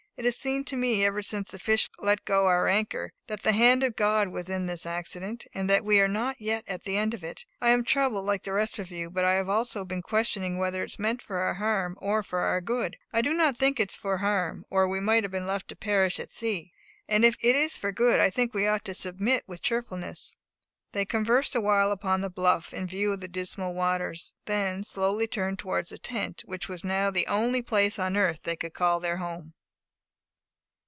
It has seemed to me, ever since the fish let go our anchor, that the hand of God was in this accident, and that we are not yet at the end of it. I am troubled, like the rest of you; but I have also been questioning whether it is meant for our harm or for our good. I do not think it is for harm, or we might have been left to perish at sea; and if it is for good, I think we ought to submit with cheerfulness." They conversed awhile upon the bluff, in view of the dismal waters, then slowly turned towards the tent, which was now the only place on earth they could call their home.